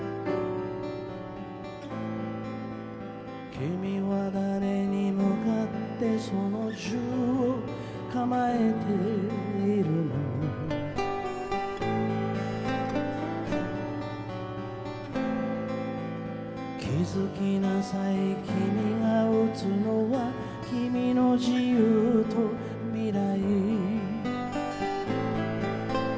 「君は誰に向かってその銃を構えているの」「気づきなさい君が撃つのは君の自由と未来」